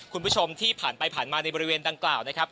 คุณผู้ชมที่ผ่านไปผ่านมาในบริเวณดังกล่าวนะครับ